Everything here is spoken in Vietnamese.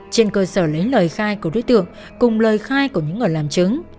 trên cơ sở lấy lời khai của đối tượng cùng lời khai của những người làm chứng